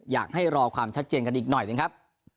อยากให้รอความชัดเจนกันอีกหน่อยนะครับ